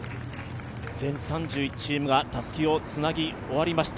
全３１チームがたすきをつなぎ終わりました